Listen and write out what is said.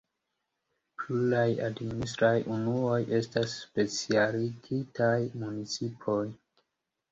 Pluraj administraj unuoj estas specialigitaj municipoj.